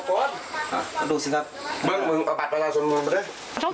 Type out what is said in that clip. ขนวดนะครับ